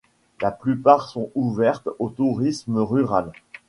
La plupart sont ouvertes au tourisme rural.